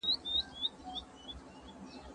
دسترخوان د ونې تر سیوري لاندې هوار شوی دی.